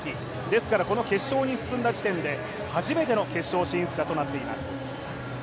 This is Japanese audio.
ですから、この決勝に進んだ時点で初めての決勝進出者となっています。